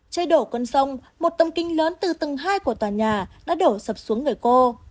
trời đổ cơn sông một tầm kính lớn từ tầng hai của tòa nhà đã đổ sập xuống người cô